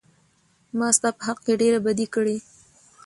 ما ستا په حق کې ډېره بدي کړى.